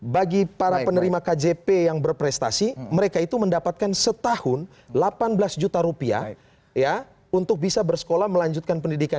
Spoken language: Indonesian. bagi para penerima kjp yang berprestasi mereka itu mendapatkan setahun delapan belas juta rupiah untuk bisa bersekolah melanjutkan pendidikan